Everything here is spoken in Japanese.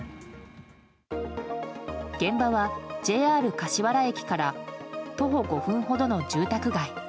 現場は、ＪＲ柏原駅から徒歩５分ほどの住宅街。